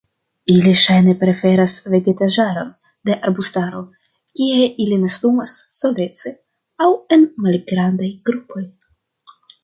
Ili ŝajne preferas vegetaĵaron de arbustaro kie ili nestumas solece aŭ en malgrandaj grupoj.